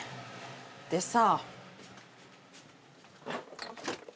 でさ。